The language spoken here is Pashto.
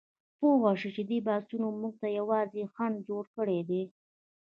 پوهه شو چې دې بحثونو موږ ته یوازې خنډ جوړ کړی دی.